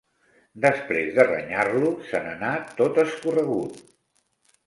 Després de renyar-lo, se n'anà tot escorregut.